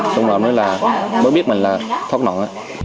thúng rồi mới biết mình là thóp nọn